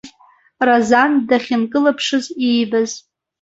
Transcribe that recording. Разан дахьынкылыԥшыз иибаз.